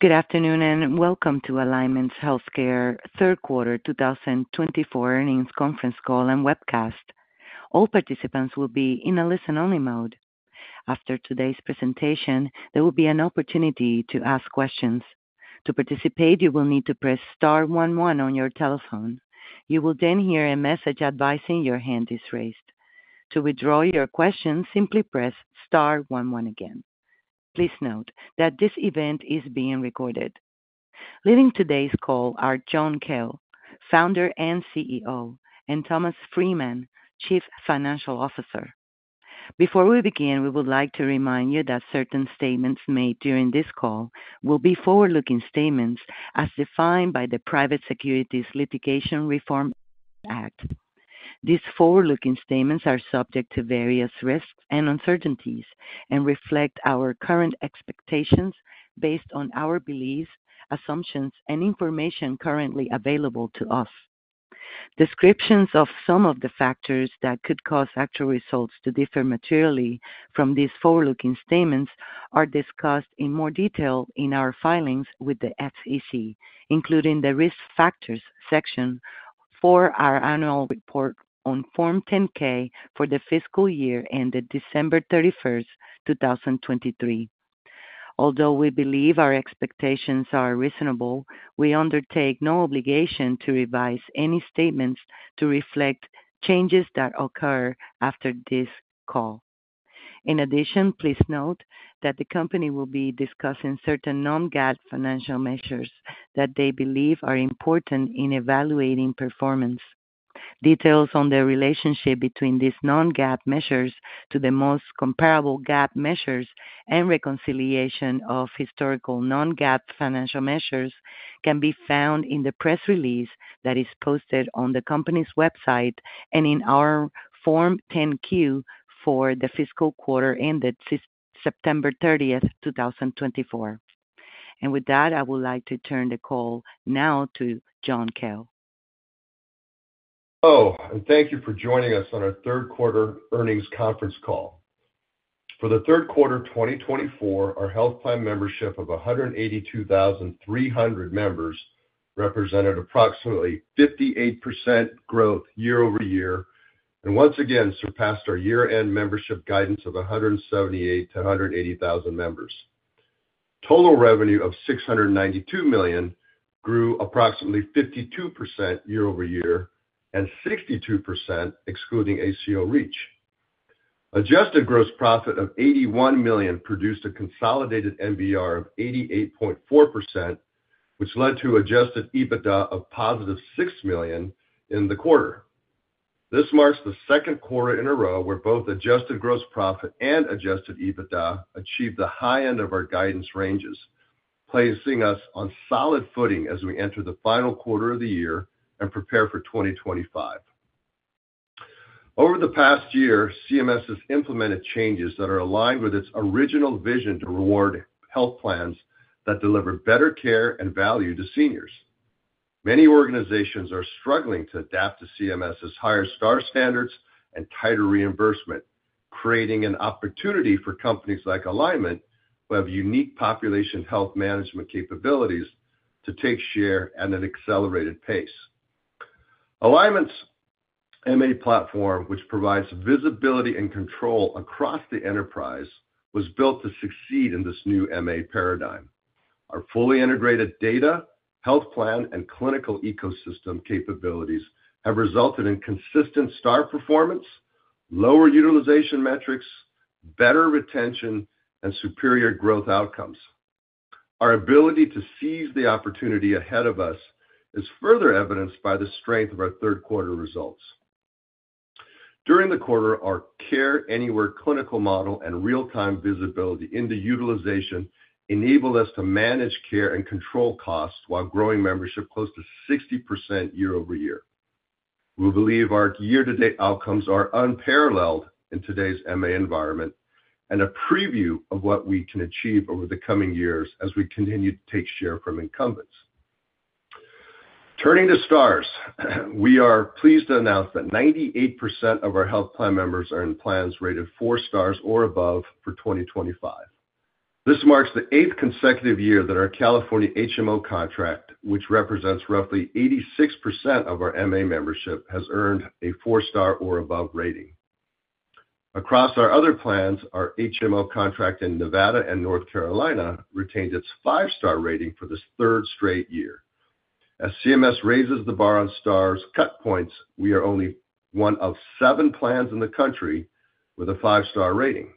Good afternoon and welcome to Alignment Healthcare Third Quarter 2024 Earnings Conference Call and Webcast. All participants will be in a listen-only mode. After today's presentation, there will be an opportunity to ask questions. To participate, you will need to press star one one on your telephone. You will then hear a message advising your hand is raised. To withdraw your question, simply press star one one again. Please note that this event is being recorded. Leading today's call are John Kao, Founder and CEO, and Thomas Freeman, Chief Financial Officer. Before we begin, we would like to remind you that certain statements made during this call will be forward-looking statements as defined by the Private Securities Litigation Reform Act. These forward-looking statements are subject to various risks and uncertainties and reflect our current expectations based on our beliefs, assumptions, and information currently available to us. Descriptions of some of the factors that could cause actual results to differ materially from these forward-looking statements are discussed in more detail in our filings with the SEC, including the risk factors section for our annual report on Form 10-K for the fiscal year ended December 31st, 2023. Although we believe our expectations are reasonable, we undertake no obligation to revise any statements to reflect changes that occur after this call. In addition, please note that the company will be discussing certain non-GAAP financial measures that they believe are important in evaluating performance. Details on the relationship between these non-GAAP measures to the most comparable GAAP measures and reconciliation of historical non-GAAP financial measures can be found in the press release that is posted on the company's website and in our Form 10-Q for the fiscal quarter ended September 30th, 2024. With that, I would like to turn the call now to John Kao. Hello, and thank you for joining us on our third quarter earnings conference call. For the third quarter 2024, our Health Plan membership of 182,300 members represented approximately 58% growth year-over-year and once again surpassed our year-end membership guidance of 178,000 to 180,000 members. Total revenue of $692 million grew approximately 52% year-over-year and 62% excluding ACO REACH. Adjusted gross profit of $81 million produced a consolidated MBR of 88.4%, which led to adjusted EBITDA of positive $6 million in the quarter. This marks the second quarter in a row where both adjusted gross profit and adjusted EBITDA achieved the high end of our guidance ranges, placing us on solid footing as we enter the final quarter of the year and prepare for 2025. Over the past year, CMS has implemented changes that are aligned with its original vision to reward health plans that deliver better care and value to seniors. Many organizations are struggling to adapt to CMS's higher star standards and tighter reimbursement, creating an opportunity for companies like Alignment, who have unique population health management capabilities, to take share at an accelerated pace. Alignment's MA platform, which provides visibility and control across the enterprise, was built to succeed in this new MA paradigm. Our fully integrated data, health plan, and clinical ecosystem capabilities have resulted in consistent star performance, lower utilization metrics, better retention, and superior growth outcomes. Our ability to seize the opportunity ahead of us is further evidenced by the strength of our third quarter results. During the quarter, our Care Anywhere clinical model and real-time visibility into utilization enabled us to manage care and control costs while growing membership close to 60% year-over-year. We believe our year-to-date outcomes are unparalleled in today's MA environment and a preview of what we can achieve over the coming years as we continue to take share from incumbents. Turning to Stars, we are pleased to announce that 98% of our health plan members are in plans rated four stars or above for 2025. This marks the eighth consecutive year that our California HMO contract, which represents roughly 86% of our MA membership, has earned a four-star or above rating. Across our other plans, our HMO contract in Nevada and North Carolina retained its five-star rating for the third straight year. As CMS raises the bar on Stars cut points, we are only one of seven plans in the country with a five-star rating.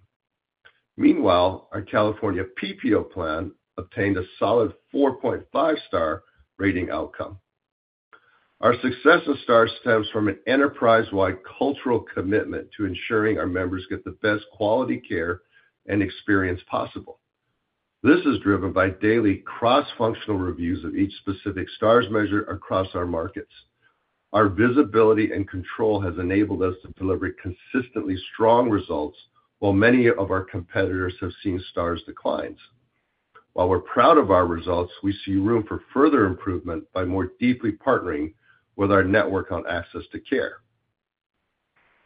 Meanwhile, our California PPO plan obtained a solid 4.5-star rating outcome. Our success in Stars stems from an enterprise-wide cultural commitment to ensuring our members get the best quality care and experience possible. This is driven by daily cross-functional reviews of each specific Stars measure across our markets. Our visibility and control has enabled us to deliver consistently strong results while many of our competitors have seen Stars declines. While we're proud of our results, we see room for further improvement by more deeply partnering with our network on access to care.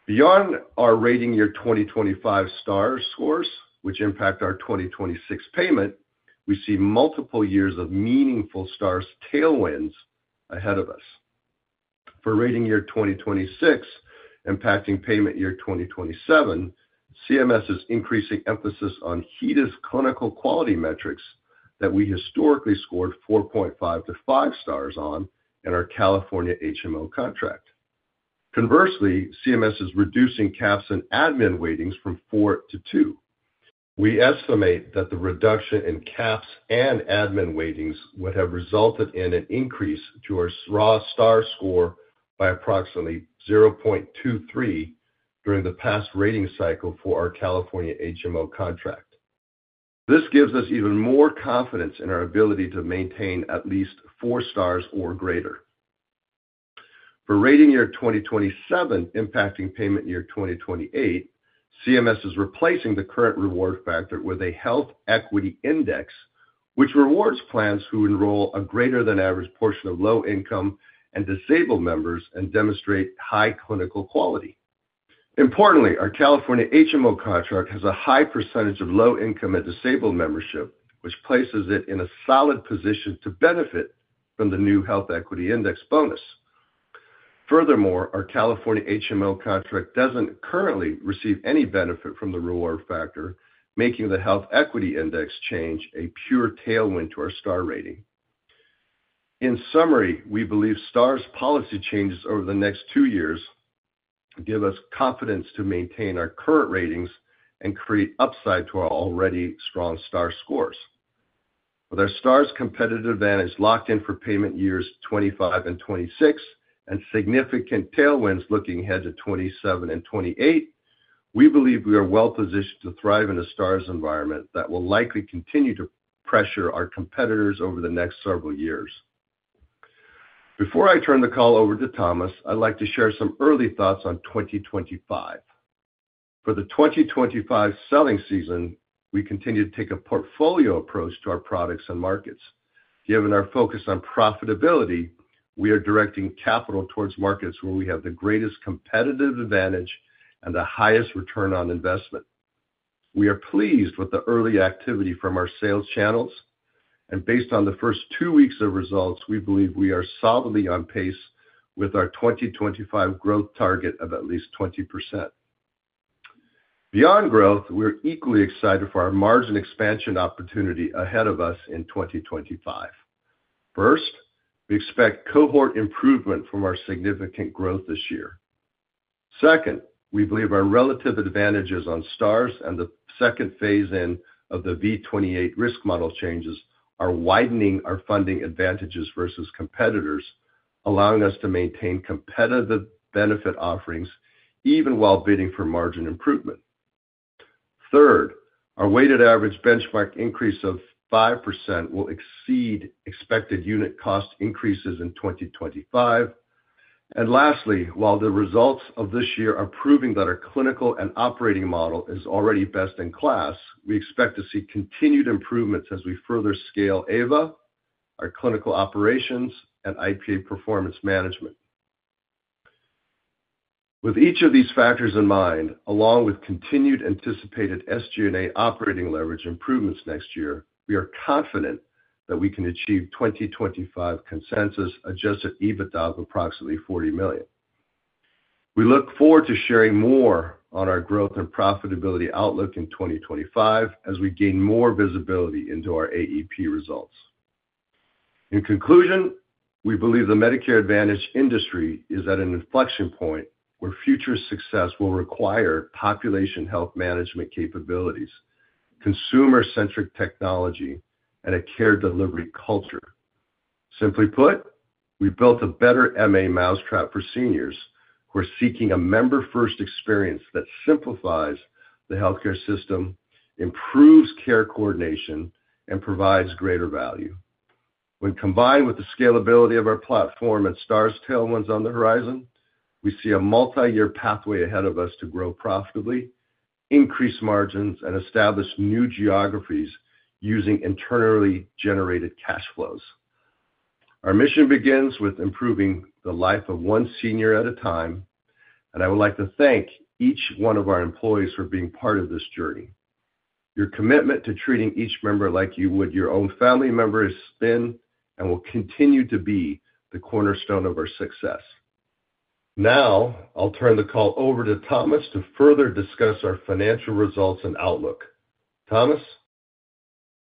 Beyond our rating year 2025 Stars scores, which impact our 2026 payment, we see multiple years of meaningful Stars tailwinds ahead of us. For rating year 2026 impacting payment year 2027, CMS is increasing emphasis on HEDIS clinical quality metrics that we historically scored 4.5-5 stars on in our California HMO contract. Conversely, CMS is reducing CAHPS and admin weightings from 4 to 2. We estimate that the reduction in CAHPS and admin weightings would have resulted in an increase to our raw star score by approximately 0.23 during the past rating cycle for our California HMO contract. This gives us even more confidence in our ability to maintain at least four stars or greater. For rating year 2027 impacting payment year 2028, CMS is replacing the current Reward Factor with a Health Equity Index, which rewards plans who enroll a greater-than-average portion of low-income and disabled members and demonstrate high clinical quality. Importantly, our California HMO contract has a high percentage of low-income and disabled membership, which places it in a solid position to benefit from the new Health Equity Index bonus. Furthermore, our California HMO contract doesn't currently receive any benefit from the Reward Factor, making the Health Equity Index change a pure tailwind to our star rating. In summary, we believe Stars policy changes over the next two years give us confidence to maintain our current ratings and create upside to our already strong star scores. With our Stars competitive advantage locked in for payment years 25 and 26 and significant tailwinds looking ahead to 27 and 28, we believe we are well-positioned to thrive in a Stars environment that will likely continue to pressure our competitors over the next several years. Before I turn the call over to Thomas, I'd like to share some early thoughts on 2025. For the 2025 selling season, we continue to take a portfolio approach to our products and markets. Given our focus on profitability, we are directing capital towards markets where we have the greatest competitive advantage and the highest return on investment. We are pleased with the early activity from our sales channels, and based on the first two weeks of results, we believe we are solidly on pace with our 2025 growth target of at least 20%. Beyond growth, we're equally excited for our margin expansion opportunity ahead of us in 2025. First, we expect cohort improvement from our significant growth this year. Second, we believe our relative advantages on Stars and the second phase-in of the V28 risk model changes are widening our funding advantages versus competitors, allowing us to maintain competitive benefit offerings even while bidding for margin improvement. Third, our weighted average benchmark increase of 5% will exceed expected unit cost increases in 2025. And lastly, while the results of this year are proving that our clinical and operating model is already best in class, we expect to see continued improvements as we further scale AVA, our clinical operations, and IPA performance management. With each of these factors in mind, along with continued anticipated SG&A operating leverage improvements next year, we are confident that we can achieve 2025 consensus adjusted EBITDA of approximately $40 million. We look forward to sharing more on our growth and profitability outlook in 2025 as we gain more visibility into our AEP results. In conclusion, we believe the Medicare Advantage industry is at an inflection point where future success will require population health management capabilities, consumer-centric technology, and a care delivery culture. Simply put, we built a better MA mousetrap for seniors who are seeking a member-first experience that simplifies the healthcare system, improves care coordination, and provides greater value. When combined with the scalability of our platform and Star tailwinds on the horizon, we see a multi-year pathway ahead of us to grow profitably, increase margins, and establish new geographies using internally generated cash flows. Our mission begins with improving the life of one senior at a time, and I would like to thank each one of our employees for being part of this journey. Your commitment to treating each member like you would your own family member has been and will continue to be the cornerstone of our success. Now, I'll turn the call over to Thomas to further discuss our financial results and outlook. Thomas.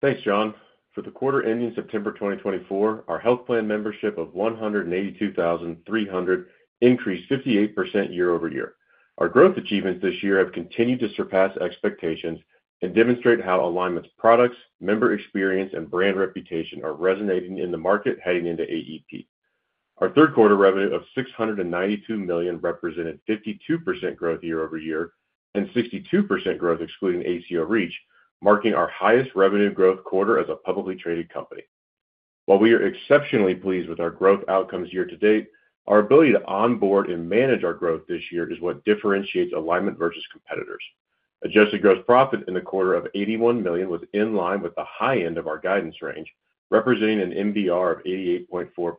Thanks, John. For the quarter ending September 2024, our health plan membership of 182,300 increased 58% year-over-year. Our growth achievements this year have continued to surpass expectations and demonstrate how Alignment's products, member experience, and brand reputation are resonating in the market heading into AEP. Our third quarter revenue of $692 million represented 52% growth year-over-year and 62% growth excluding ACO REACH, marking our highest revenue growth quarter as a publicly traded company. While we are exceptionally pleased with our growth outcomes year to date, our ability to onboard and manage our growth this year is what differentiates Alignment versus competitors. Adjusted gross profit in the quarter of $81 million was in line with the high end of our guidance range, representing an MBR of 88.4%.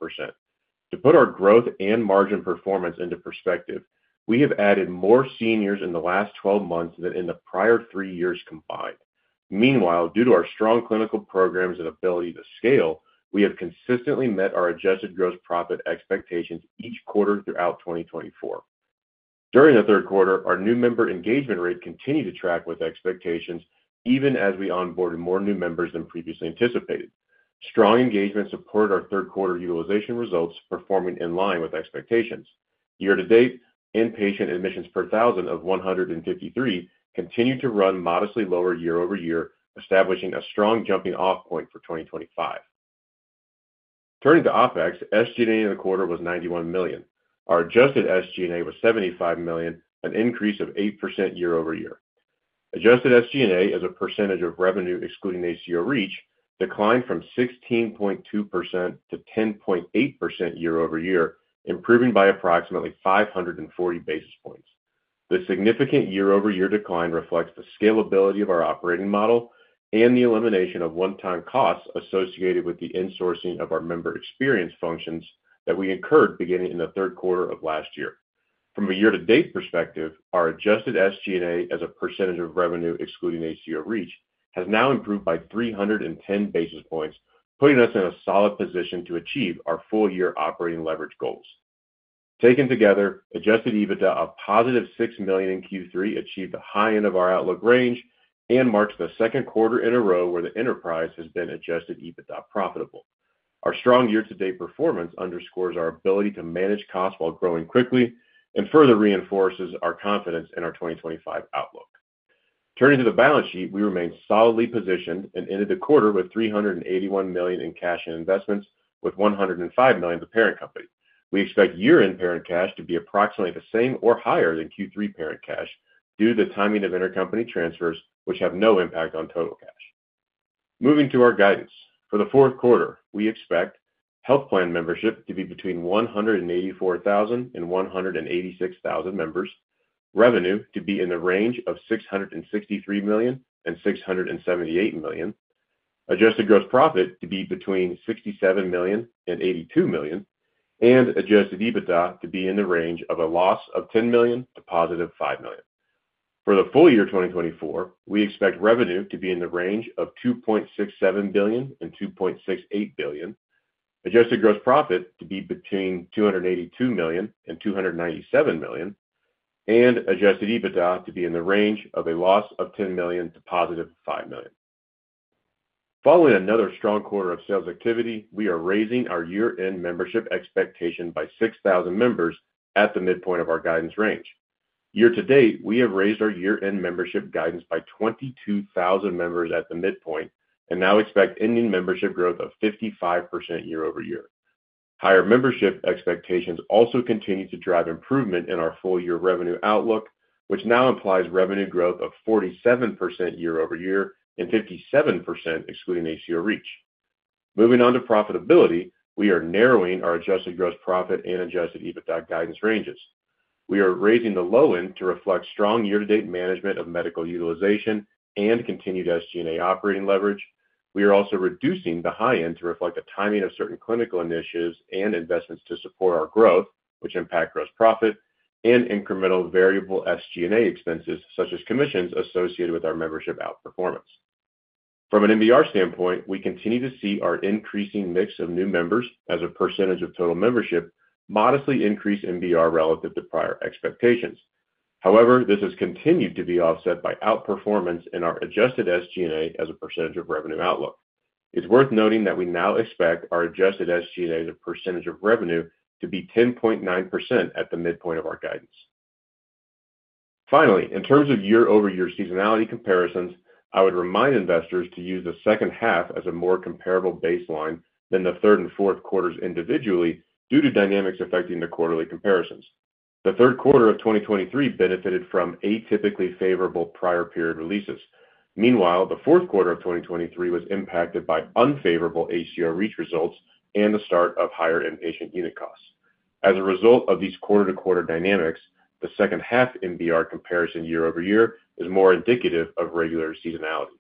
To put our growth and margin performance into perspective, we have added more seniors in the last 12 months than in the prior three years combined. Meanwhile, due to our strong clinical programs and ability to scale, we have consistently met our adjusted gross profit expectations each quarter throughout 2024. During the third quarter, our new member engagement rate continued to track with expectations even as we onboarded more new members than previously anticipated. Strong engagement supported our third quarter utilization results, performing in line with expectations. Year to date, inpatient admissions per thousand of 153 continue to run modestly lower year-over-year, establishing a strong jumping-off point for 2025. Turning to OpEx, SG&A in the quarter was $91 million. Our adjusted SG&A was $75 million, an increase of 8% year-over-year. Adjusted SG&A, as a percentage of revenue excluding ACO REACH, declined from 16.2% to 10.8% year-over-year, improving by approximately 540 basis points. This significant year-over-year decline reflects the scalability of our operating model and the elimination of one-time costs associated with the insourcing of our member experience functions that we incurred beginning in the third quarter of last year. From a year-to-date perspective, our adjusted SG&A as a percentage of revenue excluding ACO REACH has now improved by 310 basis points, putting us in a solid position to achieve our full-year operating leverage goals. Taken together, adjusted EBITDA of positive $6 million in Q3 achieved the high end of our outlook range and marked the second quarter in a row where the enterprise has been adjusted EBITDA profitable. Our strong year-to-date performance underscores our ability to manage costs while growing quickly and further reinforces our confidence in our 2025 outlook. Turning to the balance sheet, we remain solidly positioned and ended the quarter with $381 million in cash and investments, with $105 million for parent company. We expect year-end parent cash to be approximately the same or higher than Q3 parent cash due to the timing of intercompany transfers, which have no impact on total cash. Moving to our guidance. For the fourth quarter, we expect Health Plan membership to be between 184,000 and 186,000 members, revenue to be in the range of $663 million and $678 million, adjusted gross profit to be between $67 million and $82 million, and adjusted EBITDA to be in the range of a loss of $10 million to positive $5 million. For the full year 2024, we expect revenue to be in the range of $2.67 billion and $2.68 billion, adjusted gross profit to be between $282 million and $297 million, and Adjusted EBITDA to be in the range of a loss of $10 million to positive $5 million. Following another strong quarter of sales activity, we are raising our year-end membership expectation by 6,000 members at the midpoint of our guidance range. Year to date, we have raised our year-end membership guidance by 22,000 members at the midpoint and now expect ending membership growth of 55% year-over-year. Higher membership expectations also continue to drive improvement in our full-year revenue outlook, which now implies revenue growth of 47% year-over-year and 57% excluding ACO REACH. Moving on to profitability, we are narrowing our adjusted gross profit and Adjusted EBITDA guidance ranges. We are raising the low end to reflect strong year-to-date management of medical utilization and continued SG&A operating leverage. We are also reducing the high end to reflect the timing of certain clinical initiatives and investments to support our growth, which impact gross profit and incremental variable SG&A expenses such as commissions associated with our membership outperformance. From an MBR standpoint, we continue to see our increasing mix of new members as a percentage of total membership modestly increase MBR relative to prior expectations. However, this has continued to be offset by outperformance in our adjusted SG&A as a percentage of revenue outlook. It's worth noting that we now expect our adjusted SG&A as a percentage of revenue to be 10.9% at the midpoint of our guidance. Finally, in terms of year-over-year seasonality comparisons, I would remind investors to use the second half as a more comparable baseline than the third and fourth quarters individually due to dynamics affecting the quarterly comparisons. The third quarter of 2023 benefited from atypically favorable prior period releases. Meanwhile, the fourth quarter of 2023 was impacted by unfavorable ACO REACH results and the start of higher inpatient unit costs. As a result of these quarter-to-quarter dynamics, the second half MBR comparison year-over-year is more indicative of regular seasonality.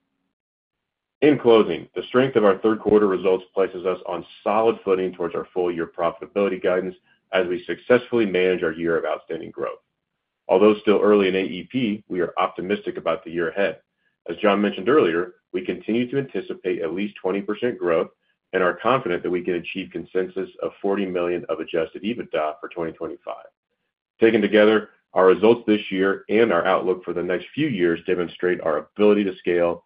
In closing, the strength of our third quarter results places us on solid footing towards our full-year profitability guidance as we successfully manage our year of outstanding growth. Although still early in AEP, we are optimistic about the year ahead. As John mentioned earlier, we continue to anticipate at least 20% growth and are confident that we can achieve consensus of $40 million of Adjusted EBITDA for 2025. Taken together, our results this year and our outlook for the next few years demonstrate our ability to scale,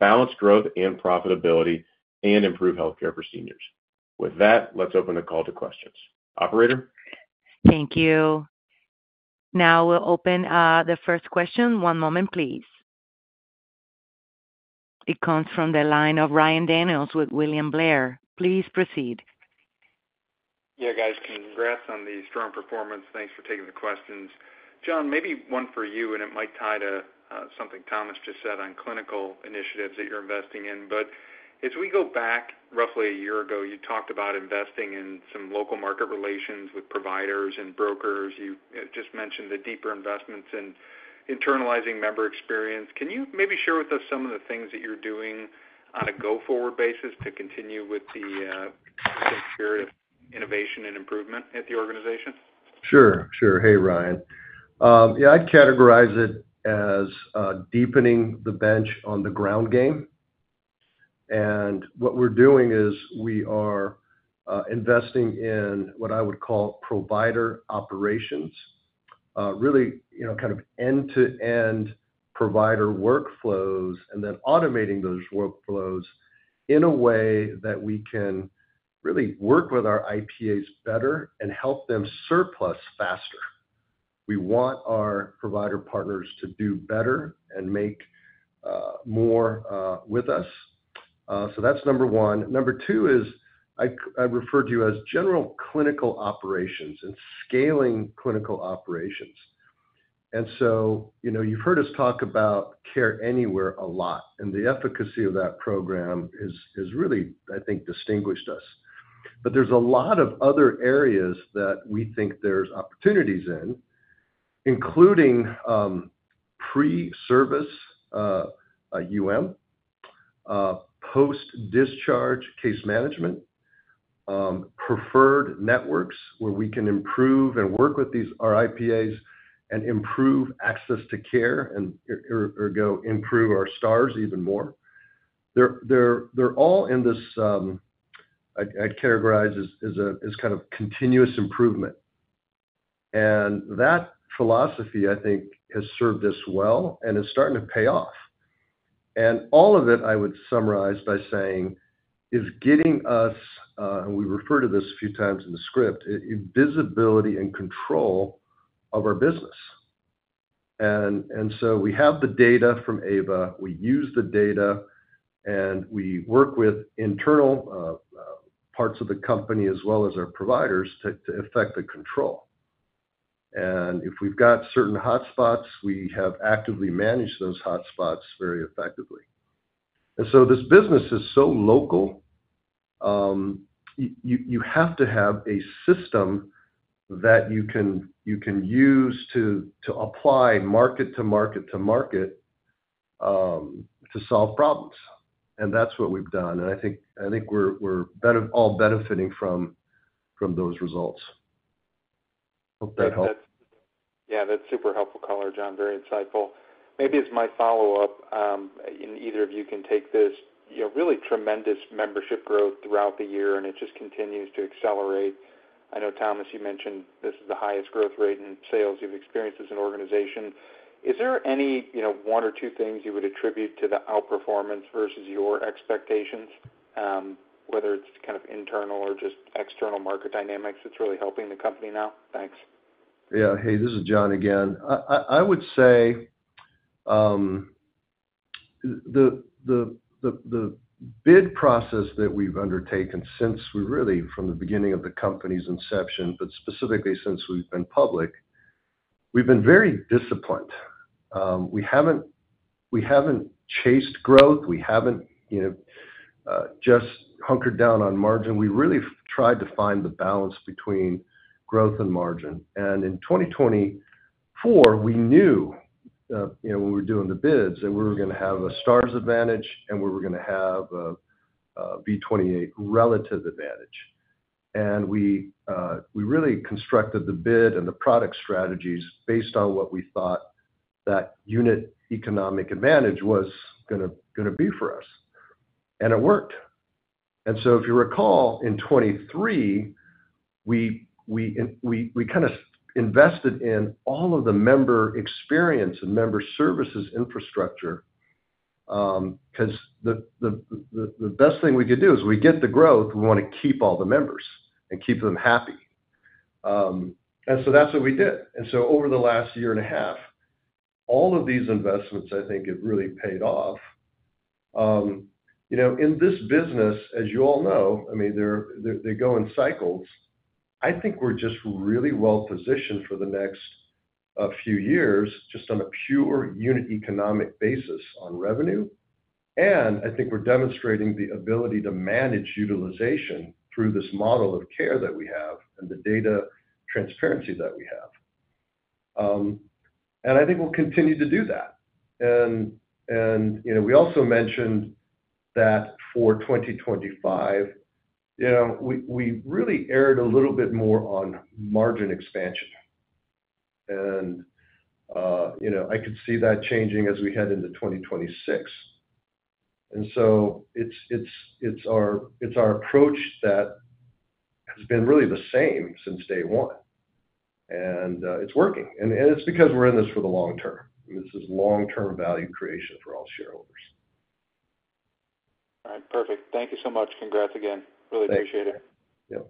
balance growth and profitability, and improve healthcare for seniors. With that, let's open the call to questions. Operator. Thank you. Now we'll open the first question. One moment, please. It comes from the line of Ryan Daniels with William Blair. Please proceed. Yeah, guys, congrats on the strong performance. Thanks for taking the questions. John, maybe one for you, and it might tie to something Thomas just said on clinical initiatives that you're investing in. But as we go back, roughly a year ago, you talked about investing in some local market relations with providers and brokers. You just mentioned the deeper investments in internalizing member experience. Can you maybe share with us some of the things that you're doing on a go-forward basis to continue with the innovation and improvement at the organization? Sure, sure. Hey, Ryan. Yeah, I'd categorize it as deepening the bench on the ground game, and what we're doing is we are investing in what I would call provider operations, really kind of end-to-end provider workflows, and then automating those workflows in a way that we can really work with our IPAs better and help them surplus faster. We want our provider partners to do better and make more with us, so that's number one. Number two is I refer to it as general clinical operations and scaling clinical operations, and so you've heard us talk about Care Anywhere a lot, and the efficacy of that program has really, I think, distinguished us. But there's a lot of other areas that we think there's opportunities in, including pre-service, post-discharge case management, preferred networks where we can improve and work with our IPAs and improve access to care and improve our Stars even more. They're all in this, I'd categorize as kind of continuous improvement. And that philosophy, I think, has served us well and is starting to pay off. And all of it, I would summarize by saying, is getting us, and we refer to this a few times in the script, visibility and control of our business. And so we have the data from AVA. We use the data, and we work with internal parts of the company as well as our providers to effect the control. And if we've got certain hotspots, we have actively managed those hotspots very effectively. And so this business is so local. You have to have a system that you can use to apply market to market to market to solve problems. And that's what we've done. And I think we're all benefiting from those results. Hope that helps. Yeah, that's super helpful, caller, John. Very insightful. Maybe as my follow-up, and either of you can take this. Really tremendous membership growth throughout the year, and it just continues to accelerate. I know, Thomas, you mentioned this is the highest growth rate in sales you've experienced as an organization. Is there any one or two things you would attribute to the outperformance versus your expectations, whether it's kind of internal or just external market dynamics that's really helping the company now? Thanks. Yeah. Hey, this is John again. I would say the bid process that we've undertaken since we really, from the beginning of the company's inception, but specifically since we've been public, we've been very disciplined. We haven't chased growth. We haven't just hunkered down on margin. We really tried to find the balance between growth and margin. And in 2024, we knew when we were doing the bids that we were going to have a Stars advantage and we were going to have a V28 relative advantage. And we really constructed the bid and the product strategies based on what we thought that unit economic advantage was going to be for us. And it worked. And so if you recall, in 2023, we kind of invested in all of the member experience and member services infrastructure because the best thing we could do is we get the growth, we want to keep all the members and keep them happy. And so that's what we did. And so over the last year and a half, all of these investments, I think, have really paid off. In this business, as you all know, I mean, they go in cycles. I think we're just really well positioned for the next few years just on a pure unit economic basis on revenue. And I think we're demonstrating the ability to manage utilization through this model of care that we have and the data transparency that we have. And I think we'll continue to do that. And we also mentioned that for 2025, we really erred a little bit more on margin expansion. And I could see that changing as we head into 2026. And so it's our approach that has been really the same since day one. And it's working. And it's because we're in this for the long term. This is long-term value creation for all shareholders. Perfect. Thank you so much. Congrats again. Really appreciate it. Thanks.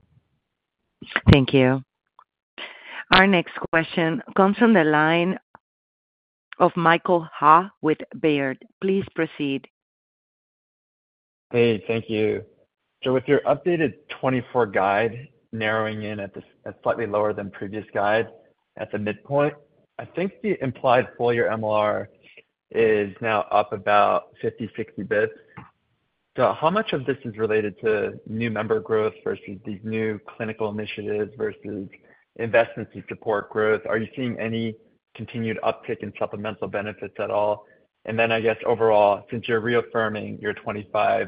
Yeah. Thank you. Our next question comes from the line of Michael Ha with Baird. Please proceed. Hey, thank you. So with your updated 2024 guide narrowing in at slightly lower than previous guide at the midpoint, I think the implied full-year MLR is now up about 50-60 basis points. So how much of this is related to new member growth versus these new clinical initiatives versus investments to support growth? Are you seeing any continued uptick in supplemental benefits at all? And then I guess overall, since you're reaffirming your 2025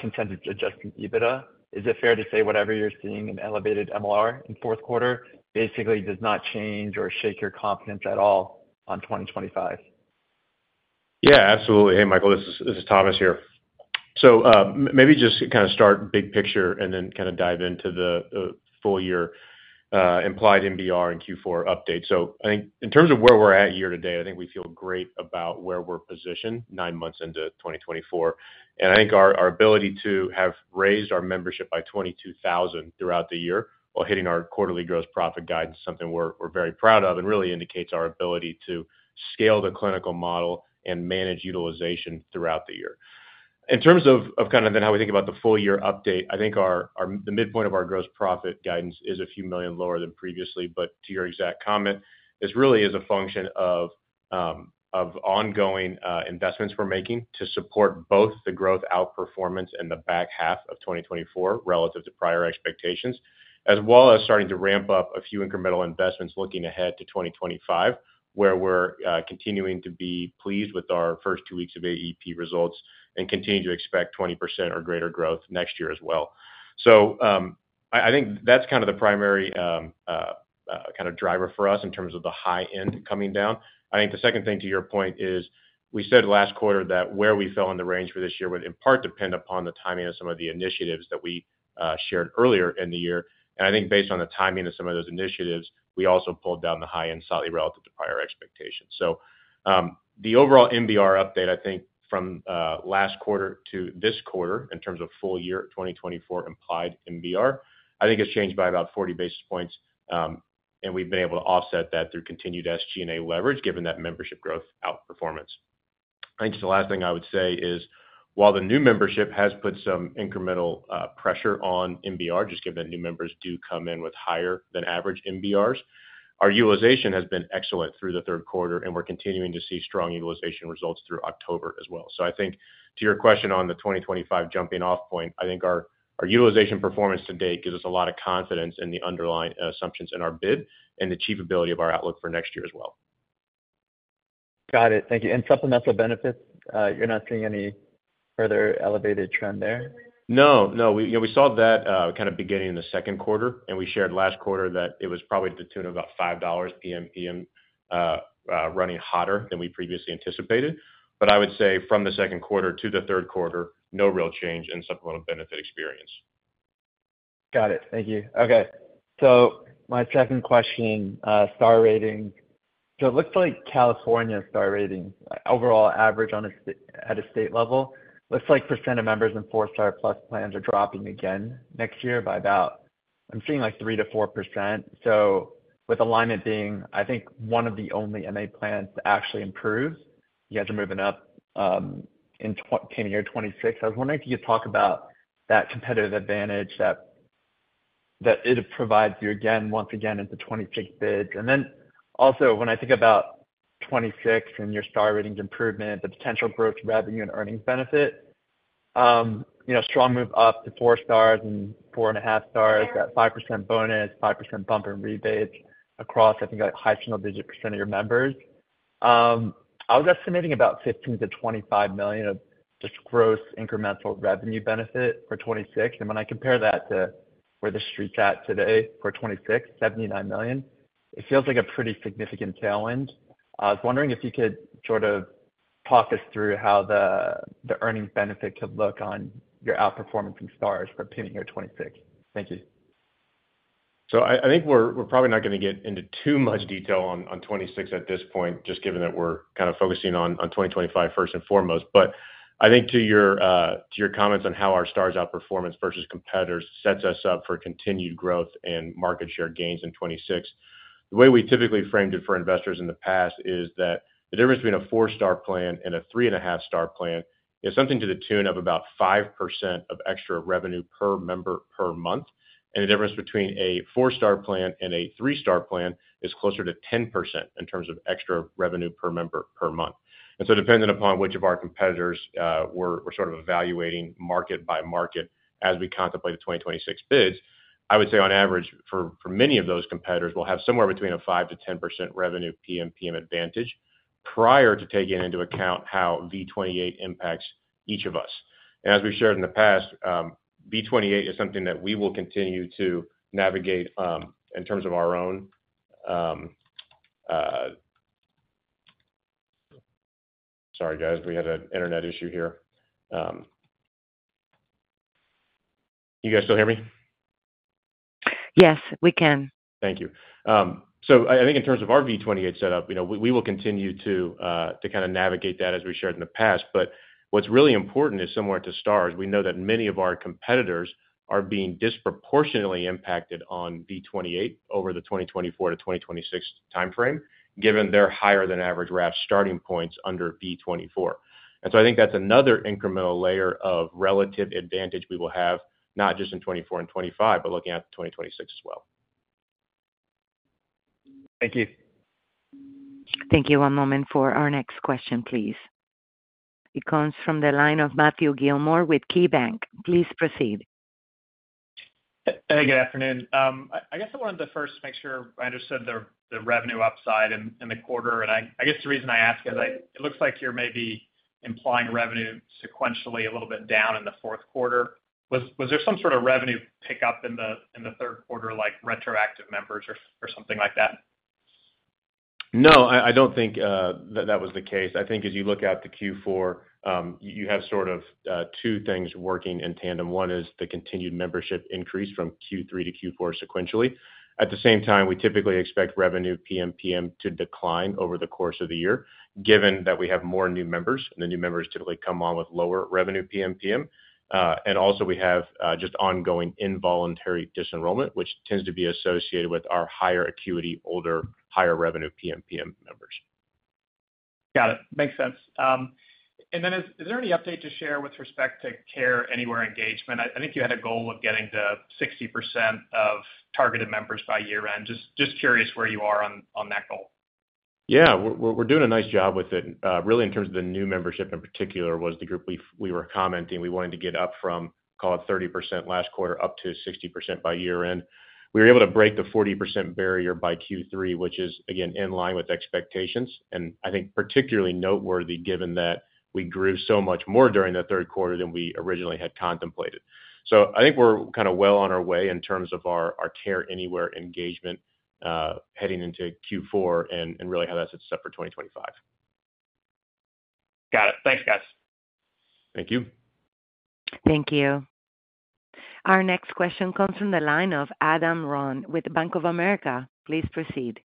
consensus adjusted EBITDA, is it fair to say whatever you're seeing in elevated MLR in fourth quarter basically does not change or shake your confidence at all on 2025? Yeah, absolutely. Hey, Michael, this is Thomas here. So maybe just kind of start big picture and then kind of dive into the full-year implied MBR and Q4 update. So I think in terms of where we're at year to date, I think we feel great about where we're positioned nine months into 2024, and I think our ability to have raised our membership by 22,000 throughout the year while hitting our quarterly gross profit guide is something we're very proud of and really indicates our ability to scale the clinical model and manage utilization throughout the year. In terms of kind of then how we think about the full-year update, I think the midpoint of our gross profit guidance is a few million lower than previously. But to your exact comment, this really is a function of ongoing investments we're making to support both the growth outperformance and the back half of 2024 relative to prior expectations, as well as starting to ramp up a few incremental investments looking ahead to 2025, where we're continuing to be pleased with our first two weeks of AEP results and continue to expect 20% or greater growth next year as well. So I think that's kind of the primary kind of driver for us in terms of the high end coming down. I think the second thing to your point is we said last quarter that where we fell in the range for this year would in part depend upon the timing of some of the initiatives that we shared earlier in the year. I think based on the timing of some of those initiatives, we also pulled down the high end slightly relative to prior expectations. The overall MBR update, I think from last quarter to this quarter in terms of full-year 2024 implied MBR, I think has changed by about 40 basis points. We've been able to offset that through continued SG&A leverage, given that membership growth outperformance. I think the last thing I would say is while the new membership has put some incremental pressure on MBR, just given that new members do come in with higher than average MBRs, our utilization has been excellent through the third quarter, and we're continuing to see strong utilization results through October as well. So I think to your question on the 2025 jumping-off point, I think our utilization performance to date gives us a lot of confidence in the underlying assumptions in our bid and the achievability of our outlook for next year as well. Got it. Thank you. And supplemental benefits, you're not seeing any further elevated trend there? No, no. We saw that kind of beginning in the second quarter, and we shared last quarter that it was probably to the tune of about $5 PMPM running hotter than we previously anticipated. But I would say from the second quarter to the third quarter, no real change in supplemental benefit experience. Got it. Thank you. Okay. So my second question, Star Ratings. So it looks like California Star Ratings, overall average at a state level, looks like percent of members in four-star plus plans are dropping again next year by about, I'm seeing like 3%-4%. So with Alignment being, I think, one of the only MA plans to actually improve, you guys are moving up in year 2026. I was wondering if you could talk about that competitive advantage that it provides you again, once again, into 2026 bids. And then also when I think about 2026 and your Star Ratings improvement, the potential growth revenue and earnings benefit, strong move up to four stars and four and a half stars at 5% bonus, 5% bump and rebates across, I think, a high single-digit % of your members. I was estimating about $15 million-$25 million of just gross incremental revenue benefit for 2026. And when I compare that to where the street's at today for 2026, $79 million, it feels like a pretty significant tailwind. I was wondering if you could sort of talk us through how the earnings benefit could look on your outperformance and Stars for bidding year 2026. Thank you. So I think we're probably not going to get into too much detail on 2026 at this point, just given that we're kind of focusing on 2025 first and foremost. But I think to your comments on how our Stars outperformance versus competitors sets us up for continued growth and market share gains in 2026, the way we typically framed it for investors in the past is that the difference between a four-star plan and a three and a half star plan is something to the tune of about 5% of extra revenue per member per month. And the difference between a four-star plan and a three-star plan is closer to 10% in terms of extra revenue per member per month. And so, depending upon which of our competitors, we're sort of evaluating market by market as we contemplate the 2026 bids. I would say on average for many of those competitors, we'll have somewhere between a 5%-10% revenue PMPM advantage prior to taking into account how V28 impacts each of us. And as we've shared in the past, V28 is something that we will continue to navigate in terms of our own. Sorry, guys, we had an internet issue here. You guys still hear me? Yes, we can. Thank you, so I think in terms of our V28 setup, we will continue to kind of navigate that as we shared in the past, but what's really important is, similar to Stars, we know that many of our competitors are being disproportionately impacted on V28 over the 2024 to 2026 timeframe, given their higher than average RAF starting points under V24, and so I think that's another incremental layer of relative advantage we will have, not just in 2024 and 2025, but looking at 2026 as well. Thank you. Thank you. One moment for our next question, please. It comes from the line of Matthew Gilmore with KeyBank. Please proceed. Hey, good afternoon. I guess I wanted to first make sure I understood the revenue upside in the quarter. And I guess the reason I ask is it looks like you're maybe implying revenue sequentially a little bit down in the fourth quarter. Was there some sort of revenue pickup in the third quarter, like retroactive members or something like that? No, I don't think that that was the case. I think as you look at the Q4, you have sort of two things working in tandem. One is the continued membership increase from Q3 to Q4 sequentially. At the same time, we typically expect revenue PMPM to decline over the course of the year, given that we have more new members, and the new members typically come on with lower revenue PMPM, and also we have just ongoing involuntary disenrollment, which tends to be associated with our higher acuity, older, higher revenue PMPM members. Got it. Makes sense. And then is there any update to share with respect to Care Anywhere engagement? I think you had a goal of getting to 60% of targeted members by year-end. Just curious where you are on that goal. Yeah, we're doing a nice job with it. Really, in terms of the new membership in particular, was the group we were commenting, we wanted to get up from, call it 30% last quarter up to 60% by year-end. We were able to break the 40% barrier by Q3, which is, again, in line with expectations, and I think particularly noteworthy, given that we grew so much more during the third quarter than we originally had contemplated, so I think we're kind of well on our way in terms of our Care Anywhere engagement heading into Q4 and really how that sets us up for 2025. Got it. Thanks, guys. Thank you. Thank you. Our next question comes from the line of Adam Ron with Bank of America. Please proceed.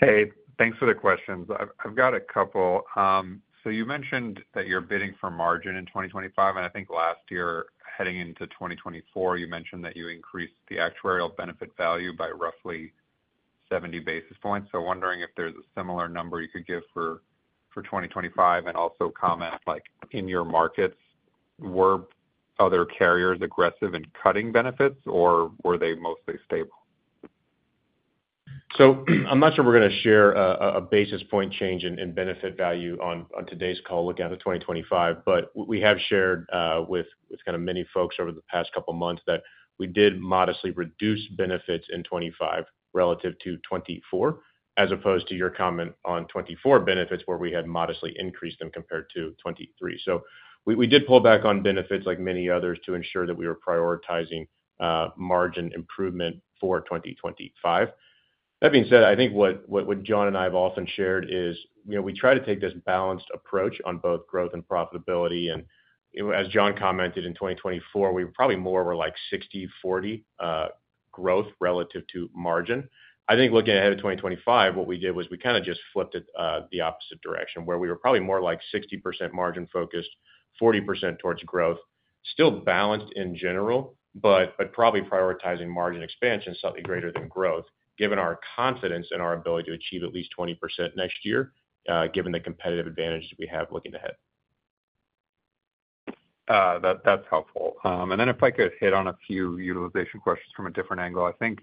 Hey, thanks for the questions. I've got a couple. So, you mentioned that you're bidding for margin in 2025. And I think last year, heading into 2024, you mentioned that you increased the actuarial benefit value by roughly 70 basis points. So, wondering if there's a similar number you could give for 2025 and also comment. In your markets, were other carriers aggressive in cutting benefits, or were they mostly stable? So I'm not sure we're going to share a basis point change in benefit value on today's call looking at the 2025. But we have shared with kind of many folks over the past couple of months that we did modestly reduce benefits in 2025 relative to 2024, as opposed to your comment on 2024 benefits where we had modestly increased them compared to 2023. So we did pull back on benefits like many others to ensure that we were prioritizing margin improvement for 2025. That being said, I think what John and I have often shared is we try to take this balanced approach on both growth and profitability. And as John commented in 2024, we probably more were like 60-40 growth relative to margin. I think looking ahead to 2025, what we did was we kind of just flipped it the opposite direction, where we were probably more like 60% margin focused, 40% towards growth, still balanced in general, but probably prioritizing margin expansion slightly greater than growth, given our confidence in our ability to achieve at least 20% next year, given the competitive advantage that we have looking ahead. That's helpful. And then if I could hit on a few utilization questions from a different angle. I think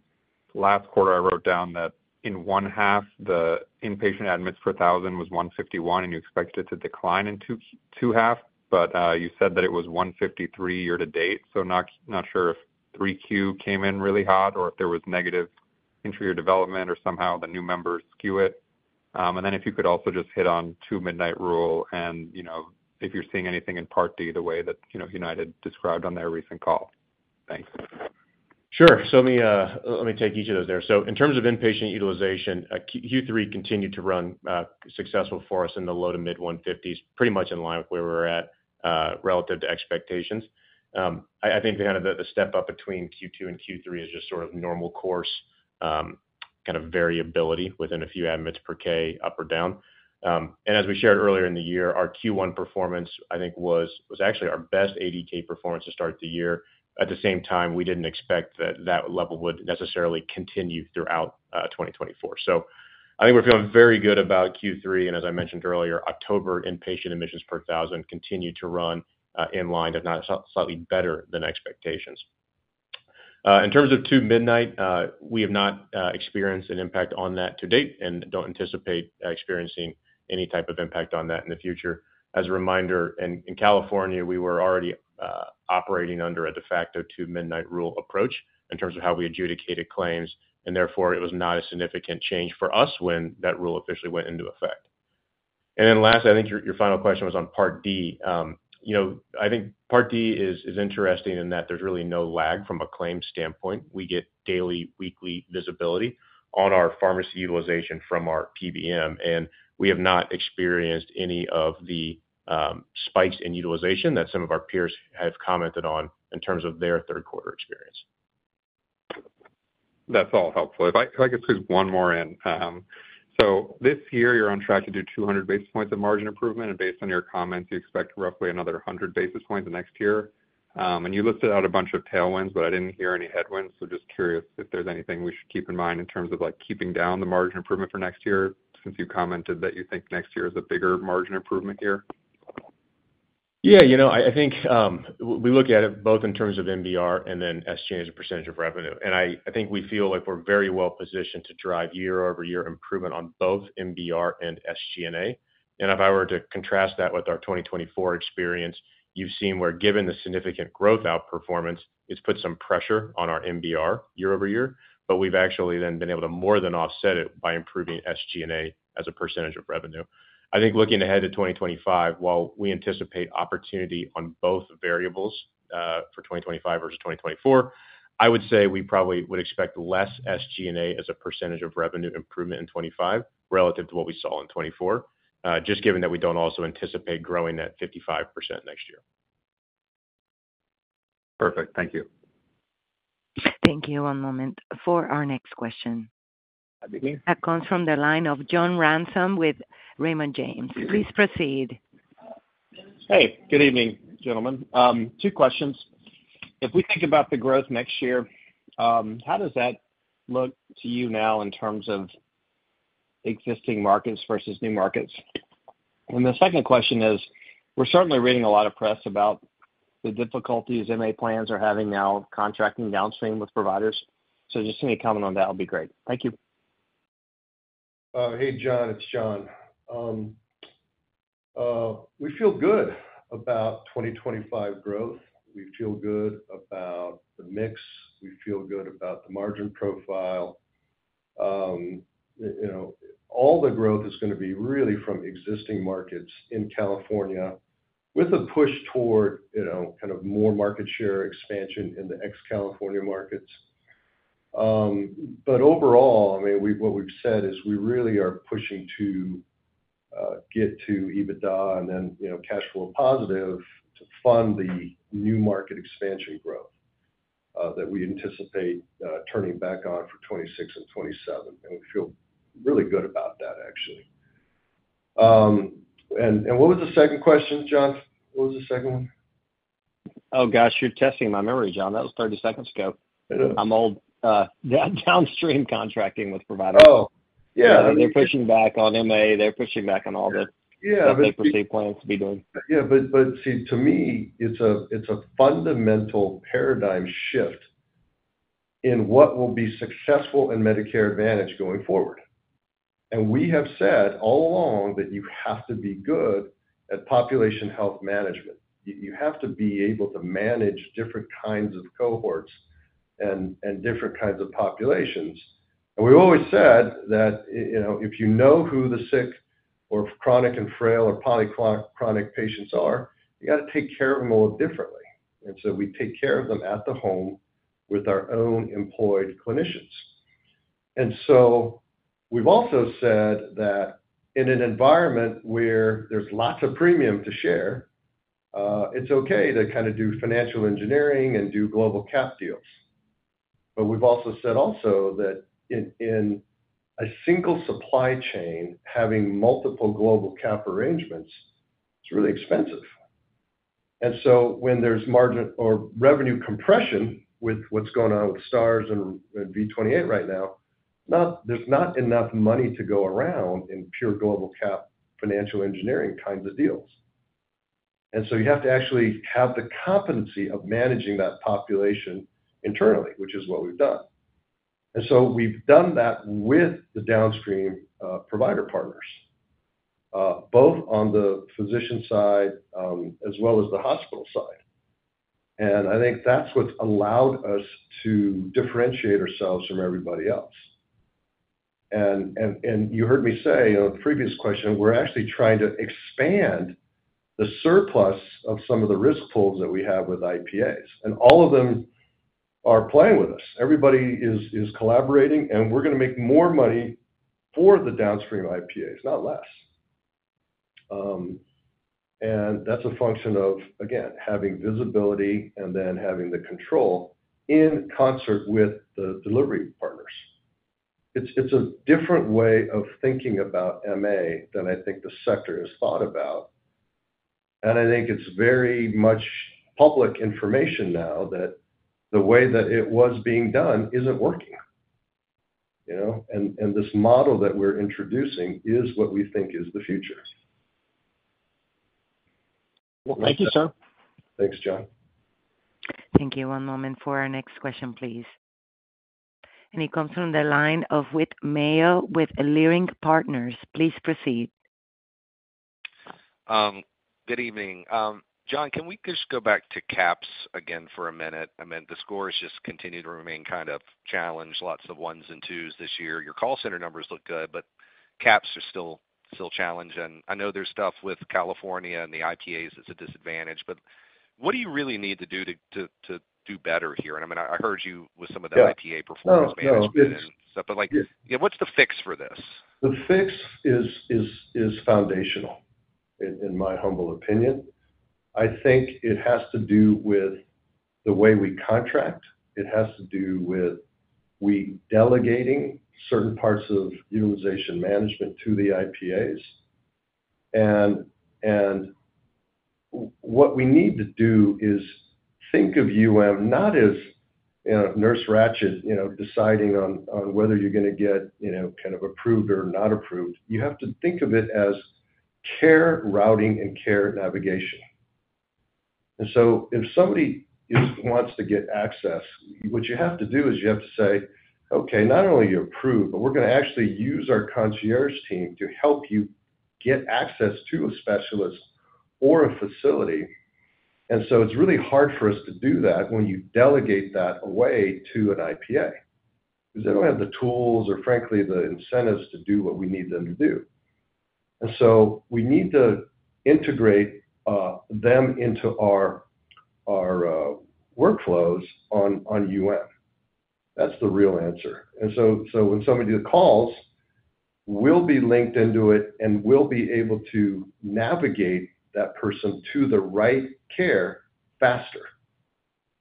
last quarter I wrote down that in 1H, the inpatient admits per thousand was 151, and you expected it to decline in 2H, but you said that it was 153 year to date. So not sure if 3Q came in really hot or if there was negative entry or development or somehow the new members skew it. And then if you could also just hit on Two-Midnight Rule and if you're seeing anything in Part D the way that United described on their recent call. Thanks. Sure. So let me take each of those there. So in terms of inpatient utilization, Q3 continued to run successfully for us in the low to mid 150s, pretty much in line with where we were at relative to expectations. I think kind of the step up between Q2 and Q3 is just sort of normal course kind of variability within a few admits per K up or down. And as we shared earlier in the year, our Q1 performance, I think, was actually our best IPK performance to start the year. At the same time, we didn't expect that that level would necessarily continue throughout 2024. So I think we're feeling very good about Q3. And as I mentioned earlier, October inpatient admissions per thousand continued to run in line, if not slightly better than expectations. In terms of Two-Midnight Rule, we have not experienced an impact on that to date and don't anticipate experiencing any type of impact on that in the future. As a reminder, in California, we were already operating under a de facto Two-Midnight Rule approach in terms of how we adjudicated claims, and therefore, it was not a significant change for us when that rule officially went into effect. And then last, I think your final question was on Part D. I think Part D is interesting in that there's really no lag from a claim standpoint. We get daily, weekly visibility on our pharmacy utilization from our PBM, and we have not experienced any of the spikes in utilization that some of our peers have commented on in terms of their third quarter experience. That's all helpful. If I could squeeze one more in? So this year, you're on track to do 200 basis points of margin improvement. And based on your comments, you expect roughly another 100 basis points next year. And you listed out a bunch of tailwinds, but I didn't hear any headwinds. So just curious if there's anything we should keep in mind in terms of keeping down the margin improvement for next year, since you commented that you think next year is a bigger margin improvement year? Yeah. You know, I think we look at it both in terms of MBR and then SG&A as a percentage of revenue. And I think we feel like we're very well positioned to drive year-over-year improvement on both MBR and SG&A. And if I were to contrast that with our 2024 experience, you've seen where given the significant growth outperformance, it's put some pressure on our MBR year-over-year, but we've actually then been able to more than offset it by improving SG&A as a percentage of revenue. I think looking ahead to 2025, while we anticipate opportunity on both variables for 2025 versus 2024, I would say we probably would expect less SG&A as a percentage of revenue improvement in 2025 relative to what we saw in 2024, just given that we don't also anticipate growing that 55% next year. Perfect. Thank you. Thank you. One moment for our next question. Good evening. That comes from the line of John Ransom with Raymond James. Please proceed. Hey, good evening, gentlemen. Two questions. If we think about the growth next year, how does that look to you now in terms of existing markets versus new markets? And the second question is, we're certainly reading a lot of press about the difficulties MA plans are having now contracting downstream with providers. So just any comment on that would be great. Thank you. Hey, John. It's John. We feel good about 2025 growth. We feel good about the mix. We feel good about the margin profile. All the growth is going to be really from existing markets in California with a push toward kind of more market share expansion in the ex-California markets. But overall, I mean, what we've said is we really are pushing to get to EBITDA and then cash flow positive to fund the new market expansion growth that we anticipate turning back on for 2026 and 2027. And we feel really good about that, actually. And what was the second question, John? What was the second one? Oh, gosh, you're testing my memory, John. That was 30 seconds ago. It is. I'm old. Downstream contracting with providers. Oh, yeah. They're pushing back on MA. They're pushing back on all the. Yeah. They perceive plans to be doing. Yeah. But, see, to me, it's a fundamental paradigm shift in what will be successful in Medicare Advantage going forward. And we have said all along that you have to be good at population health management. You have to be able to manage different kinds of cohorts and different kinds of populations. And we've always said that if you know who the sick or chronic and frail or poly-chronic patients are, you got to take care of them a little differently. And so we take care of them at the home with our own employed clinicians. And so we've also said that in an environment where there's lots of premium to share, it's okay to kind of do financial engineering and do global cap deals. But we've also said that in a single supply chain, having multiple global cap arrangements, it's really expensive. And so when there's margin or revenue compression with what's going on with Stars and V28 right now, there's not enough money to go around in pure global cap financial engineering kinds of deals. And so you have to actually have the competency of managing that population internally, which is what we've done. And so we've done that with the downstream provider partners, both on the physician side as well as the hospital side. And I think that's what's allowed us to differentiate ourselves from everybody else. And you heard me say in the previous question, we're actually trying to expand the surplus of some of the risk pools that we have with IPAs. And all of them are playing with us. Everybody is collaborating, and we're going to make more money for the downstream IPAs, not less. And that's a function of, again, having visibility and then having the control in concert with the delivery partners. It's a different way of thinking about MA than I think the sector has thought about. And I think it's very much public information now that the way that it was being done isn't working. And this model that we're introducing is what we think is the future. Thank you, sir. Thanks, John. Thank you. One moment for our next question, please. And it comes from the line of Whit Mayo with Leerink Partners. Please proceed. Good evening. John, can we just go back to CAHPS again for a minute? I mean, the scores just continue to remain kind of challenged. Lots of ones and twos this year. Your call center numbers look good, but CAHPS are still challenging. I know there's stuff with California and the IPAs that's a disadvantage, but what do you really need to do to do better here? And I mean, I heard you with some of the IPA performance management and stuff, but what's the fix for this? The fix is foundational, in my humble opinion. I think it has to do with the way we contract. It has to do with we delegating certain parts of utilization management to the IPAs. What we need to do is think of not as a Nurse Ratched deciding on whether you're going to get kind of approved or not approved. You have to think of it as care routing and care navigation. And so if somebody wants to get access, what you have to do is you have to say, "Okay, not only are you approved, but we're going to actually use our concierge team to help you get access to a specialist or a facility." And so it's really hard for us to do that when you delegate that away to an IPA because they don't have the tools or, frankly, the incentives to do what we need them to do. And so we need to integrate them into our workflows. And that's the real answer. And so when somebody calls, we'll be linked into it and we'll be able to navigate that person to the right care faster.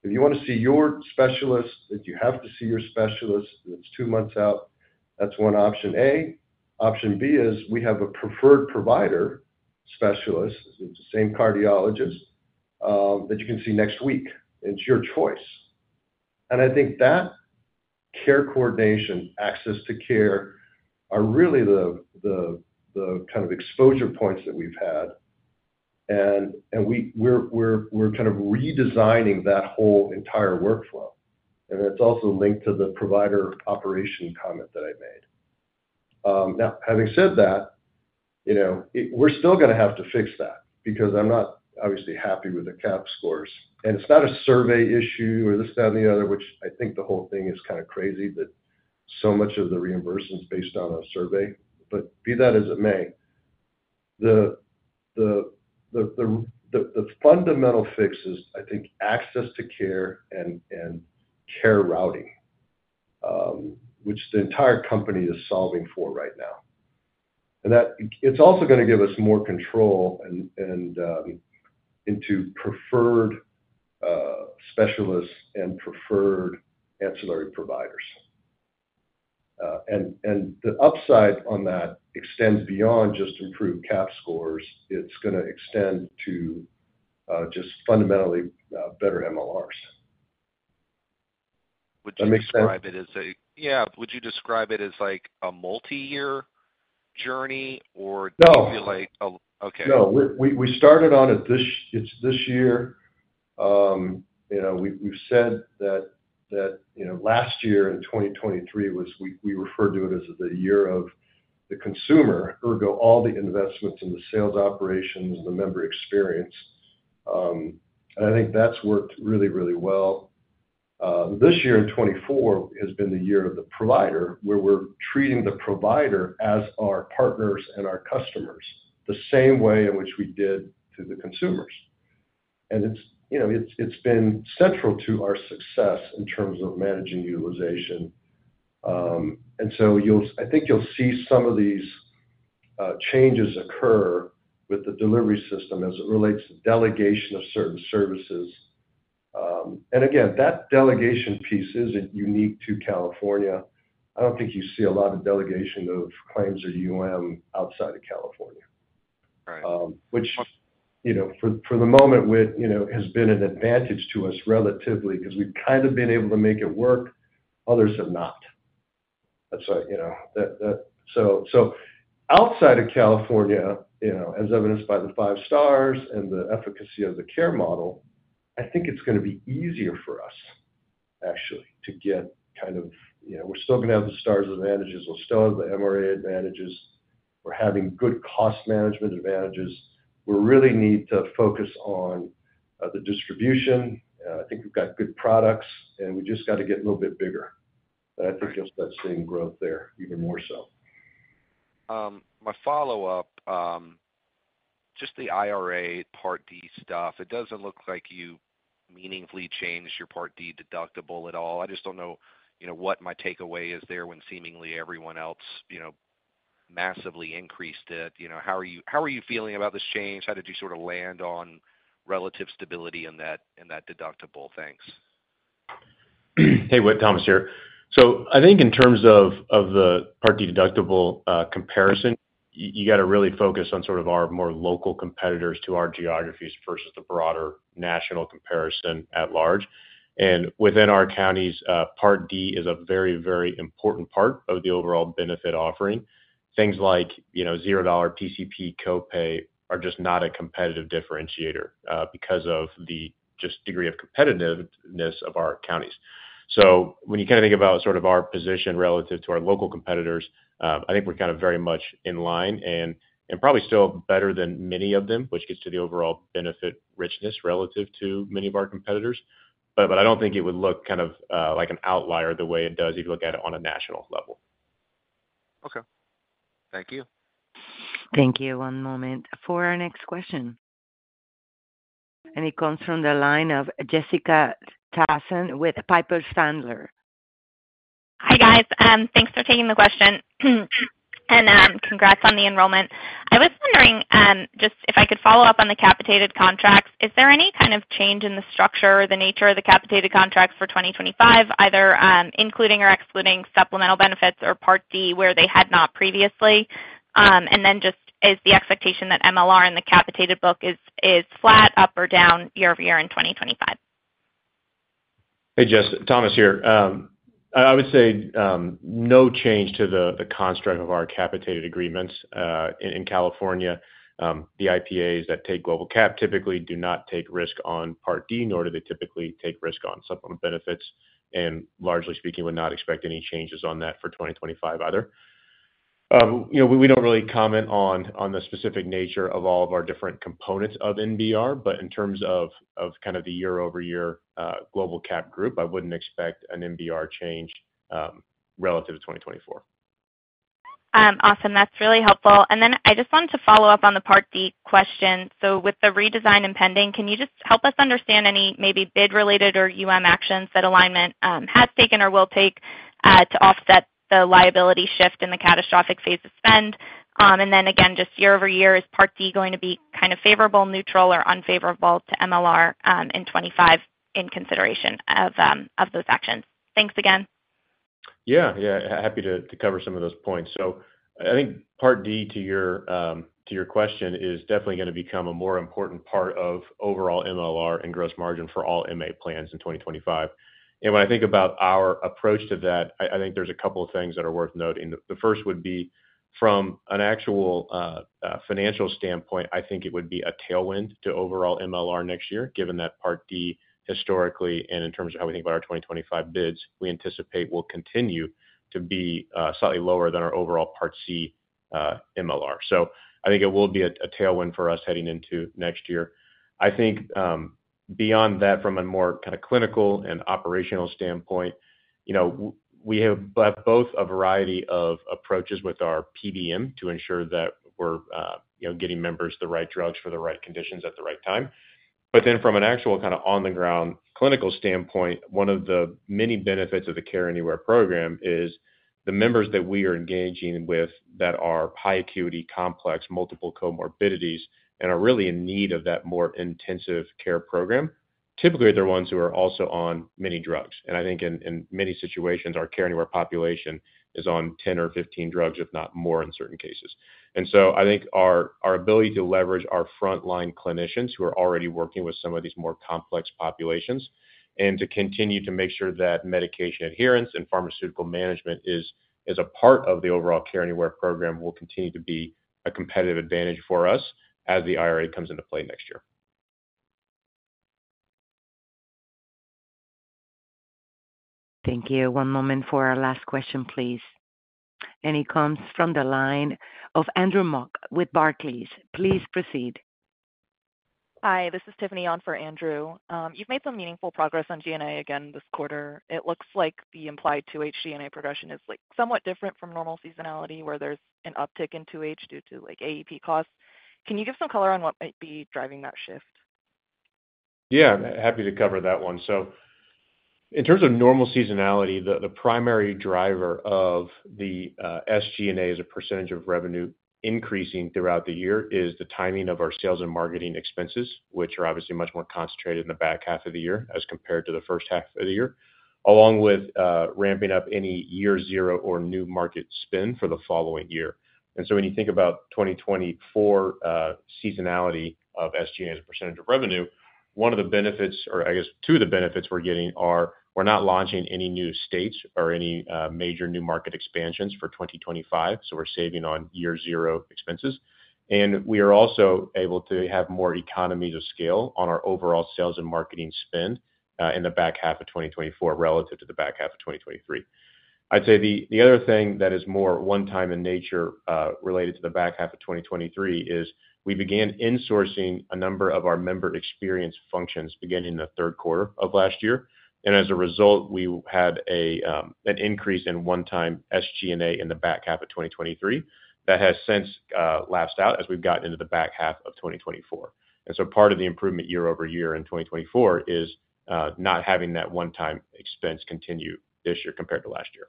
If you want to see your specialist, if you have to see your specialist, it's two months out. That's one option. Option B is we have a preferred provider specialist. It's the same cardiologist that you can see next week. It's your choice. And I think that care coordination, access to care are really the kind of exposure points that we've had. And we're kind of redesigning that whole entire workflow. And it's also linked to the provider operation comment that I made. Now, having said that, we're still going to have to fix that because I'm not obviously happy with the CAHPS scores. And it's not a survey issue or this, that, and the other, which I think the whole thing is kind of crazy that so much of the reimbursement is based on a survey. But be that as it may, the fundamental fix is, I think, access to care and care routing, which the entire company is solving for right now. And it's also going to give us more control into preferred specialists and preferred ancillary providers. The upside on that extends beyond just improved CAHPS scores. It's going to extend to just fundamentally better MLRs. Would you describe it as a multi-year journey or do you feel like a okay. No. We started on it this year. We've said that last year in 2023, we referred to it as the year of the consumer ergo, all the investments in the sales operations, the member experience. I think that's worked really, really well. This year in 2024 has been the year of the provider where we're treating the provider as our partners and our customers the same way in which we did to the consumers. It's been central to our success in terms of managing utilization. So I think you'll see some of these changes occur with the delivery system as it relates to delegation of certain services. Again, that delegation piece isn't unique to California. I don't think you see a lot of delegation of claims or outside of California, which for the moment, it has been an advantage to us relatively because we've kind of been able to make it work. Others have not. That's what—so outside of California, as evidenced by the five stars and the efficacy of the care model, I think it's going to be easier for us, actually, to get kind of—we're still going to have the Stars advantages. We'll still have the MRA advantages. We're having good cost management advantages. We really need to focus on the distribution. I think we've got good products, and we just got to get a little bit bigger. And I think you'll start seeing growth there even more so. My follow-up, just the IRA Part D stuff, it doesn't look like you meaningfully changed your Part D deductible at all. I just don't know what my takeaway is there when seemingly everyone else massively increased it. How are you feeling about this change? How did you sort of land on relative stability in that deductible? Thanks. Hey, Whit, Thomas here. So I think in terms of the Part D deductible comparison, you got to really focus on sort of our more local competitors to our geographies versus the broader national comparison at large. And within our counties, Part D is a very, very important part of the overall benefit offering. Things like $0 PCP copay are just not a competitive differentiator because of the just degree of competitiveness of our counties. So when you kind of think about sort of our position relative to our local competitors, I think we're kind of very much in line and probably still better than many of them, which gets to the overall benefit richness relative to many of our competitors. But I don't think it would look kind of like an outlier the way it does if you look at it on a national level. Okay. Thank you. Thank you. One moment for our next question. And it comes from the line of Jessica Tassan with Piper Sandler. Hi, guys. Thanks for taking the question, and congrats on the enrollment. I was wondering just if I could follow up on the capitated contracts. Is there any kind of change in the structure or the nature of the capitated contracts for 2025, either including or excluding supplemental benefits or Part D where they had not previously? And then, just, is the expectation that MLR in the capitated book is flat, up, or down year-over-year in 2025? Hey, Jess, Thomas here. I would say no change to the construct of our capitated agreements in California. The IPAs that take global cap typically do not take risk on Part D, nor do they typically take risk on supplemental benefits. And largely speaking, we're not expecting any changes on that for 2025 either. We don't really comment on the specific nature of all of our different components of MBR, but in terms of kind of the year-over-year global cap group, I wouldn't expect an MBR change relative to 2024. Awesome. That's really helpful. And then I just wanted to follow up on the Part D question. So with the redesign impending, can you just help us understand any maybe bid-related or actions that Alignment has taken or will take to offset the liability shift in the catastrophic phase of spend? And then again, just year-over-year, is Part D going to be kind of favorable, neutral, or unfavorable to MLR in 2025 in consideration of those actions? Thanks again. Yeah. Yeah. Happy to cover some of those points. So I think Part D, to your question, is definitely going to become a more important part of overall MLR and gross margin for all MA plans in 2025. And when I think about our approach to that, I think there's a couple of things that are worth noting. The first would be from an actual financial standpoint, I think it would be a tailwind to overall MLR next year, given that Part D historically and in terms of how we think about our 2025 bids, we anticipate will continue to be slightly lower than our overall Part C MLR. So I think it will be a tailwind for us heading into next year. I think beyond that, from a more kind of clinical and operational standpoint, we have both a variety of approaches with our PBM to ensure that we're getting members the right drugs for the right conditions at the right time. But then from an actual kind of on-the-ground clinical standpoint, one of the many benefits of the Care Anywhere program is the members that we are engaging with that are high acuity, complex, multiple comorbidities, and are really in need of that more intensive care program. Typically, they're ones who are also on many drugs, and I think in many situations, our Care Anywhere population is on 10 or 15 drugs, if not more in certain cases. And so I think our ability to leverage our frontline clinicians who are already working with some of these more complex populations and to continue to make sure that medication adherence and pharmaceutical management is a part of the overall Care Anywhere program will continue to be a competitive advantage for us as the IRA comes into play next year. Thank you. One moment for our last question, please. It comes from the line of Andrew Mock with Barclays. Please proceed. Hi, this is Tiffany on for Andrew. You've made some meaningful progress on SG&A again this quarter. It looks like the implied 2H SG&A progression is somewhat different from normal seasonality where there's an uptick in 2H due to AEP costs. Can you give some color on what might be driving that shift? Yeah. Happy to cover that one, so in terms of normal seasonality, the primary driver of the SG&A as a percentage of revenue increasing throughout the year is the timing of our sales and marketing expenses, which are obviously much more concentrated in the back half of the year as compared to the first half of the year, along with ramping up any year zero or new market spend for the following year, and so when you think about 2024 seasonality of SG&A as a percentage of revenue, one of the benefits, or I guess two of the benefits we're getting are we're not launching any new states or any major new market expansions for 2025. So we're saving on year zero expenses. And we are also able to have more economies of scale on our overall sales and marketing spend in the back half of 2024 relative to the back half of 2023. I'd say the other thing that is more one-time in nature related to the back half of 2023 is we began insourcing a number of our member experience functions beginning in the third quarter of last year. And as a result, we had an increase in one-time SG&A in the back half of 2023 that has since lapsed out as we've gotten into the back half of 2024. And so part of the improvement year-over-year in 2024 is not having that one-time expense continue this year compared to last year.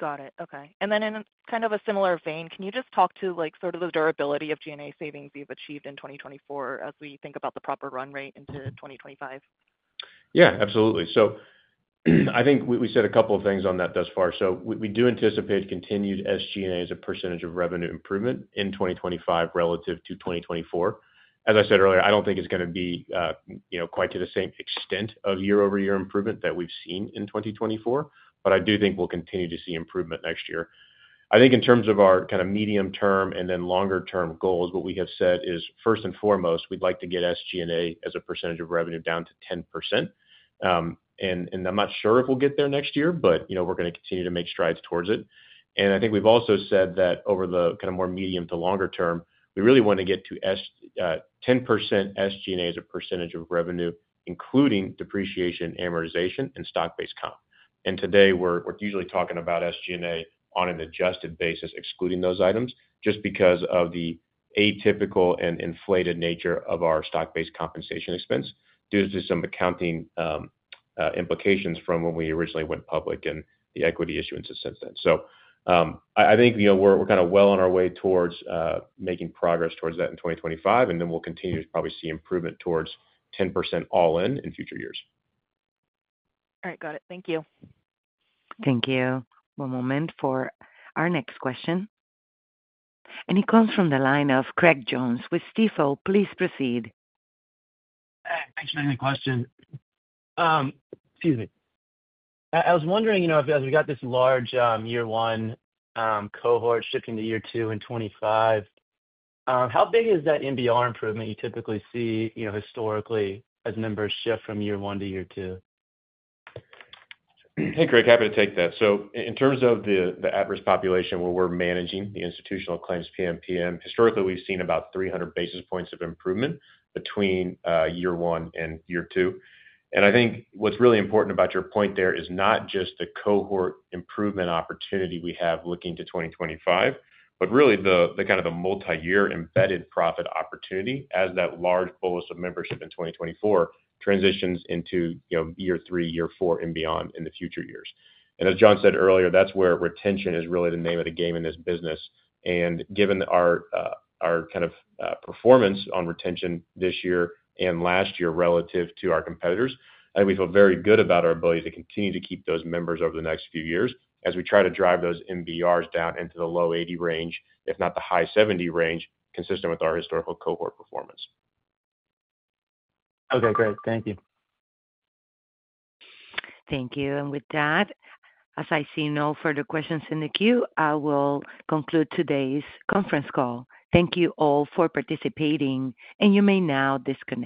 Got it. Okay. And then in kind of a similar vein, can you just talk to sort of the durability of G&A savings you've achieved in 2024 as we think about the proper run rate into 2025? Yeah, absolutely. So I think we said a couple of things on that thus far, so we do anticipate continued SG&A as a percentage of revenue improvement in 2025 relative to 2024. As I said earlier, I don't think it's going to be quite to the same extent of year-over-year improvement that we've seen in 2024, but I do think we'll continue to see improvement next year. I think in terms of our kind of medium-term and then longer-term goals, what we have said is, first and foremost, we'd like to get SG&A as a percentage of revenue down to 10%, and I'm not sure if we'll get there next year, but we're going to continue to make strides towards it. And I think we've also said that over the kind of more medium to longer term, we really want to get to 10% SG&A as a percentage of revenue, including depreciation, amortization, and stock-based comp. And today, we're usually talking about SG&A on an adjusted basis, excluding those items, just because of the atypical and inflated nature of our stock-based compensation expense due to some accounting implications from when we originally went public and the equity issuances since then. So I think we're kind of well on our way towards making progress towards that in 2025, and then we'll continue to probably see improvement towards 10% all-in in future years. All right. Got it. Thank you. Thank you. One moment for our next question. And it comes from the line of Craig Jones with Stifel. Please proceed. Thanks for taking the question. Excuse me. I was wondering, as we've got this large year-one cohort shifting to year two in 2025, how big is that MBR improvement you typically see historically as members shift from year one to year two? Hey, Craig. Happy to take that. So in terms of the adverse population where we're managing the institutional claims PMPM, historically, we've seen about 300 basis points of improvement between year one and year two. And I think what's really important about your point there is not just the cohort improvement opportunity we have looking to 2025, but really the kind of the multi-year embedded profit opportunity as that large bolus of membership in 2024 transitions into year three, year four, and beyond in the future years. And as John said earlier, that's where retention is really the name of the game in this business. And given our kind of performance on retention this year and last year relative to our competitors, I think we feel very good about our ability to continue to keep those members over the next few years as we try to drive those MBRs down into the low 80 range, if not the high 70 range, consistent with our historical cohort performance. Okay, great. Thank you. Thank you. And with that, as I see no further questions in the queue, I will conclude today's conference call. Thank you all for participating, and you may now disconnect.